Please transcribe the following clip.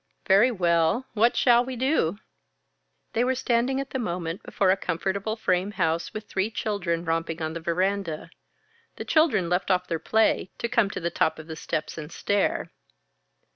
"Very well what shall we do?" They were standing at the moment before a comfortable frame house with three children romping on the veranda. The children left off their play to come to the top of the steps and stare.